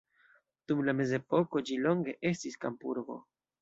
Dum la mezepoko ĝi longe estis kampurbo.